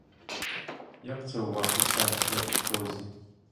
Як це у вас усе, як у прозі!